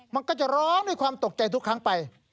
มันก็จะร้องด้วยความตกใจทุกครั้งไป